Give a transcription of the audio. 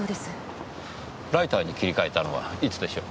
ライターに切り替えたのはいつでしょう？